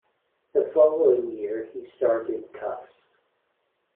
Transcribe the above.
The following year he starred in "Kuffs".